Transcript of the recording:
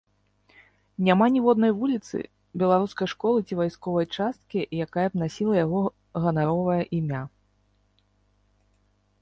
Няма ніводнай вуліцы, беларускай школы ці вайсковай часткі, якая б насіла яго ганаровае імя.